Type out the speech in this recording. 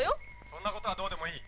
「そんなことはどうでもいい。